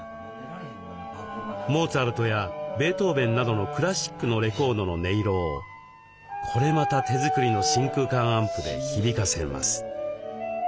モーツァルトやベートーベンなどのクラシックのレコードの音色をこれまた手作りの真空管アンプで響かせます。